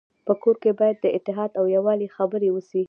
په کور کي باید د اتحاد او يووالي خبري وسي.